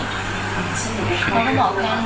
อยากจะบอกคนงานประสานงานไม่ได้